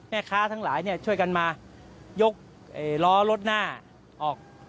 แม่ค้าทั้งหลายเนี่ยช่วยกันมายกล้อรถหน้าออก